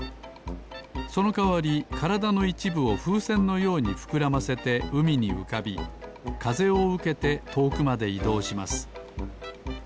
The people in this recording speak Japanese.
そのかわりからだのいちぶをふうせんのようにふくらませてうみにうかびかぜをうけてとおくまでいどうします。